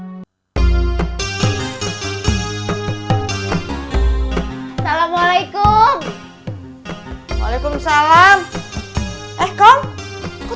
assalamualaikum waalaikumsalam eh kau